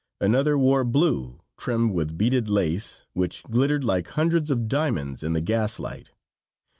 Another wore blue, trimmed with beaded lace, which glittered like hundreds of diamonds in the gas light.